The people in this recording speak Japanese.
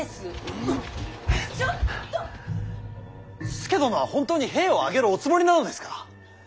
佐殿は本当に兵を挙げるおつもりなのですか。